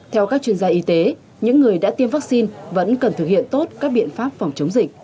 theo các chuyên gia y tế những người đã tiêm vaccine vẫn cần thực hiện tốt các biện pháp phòng chống dịch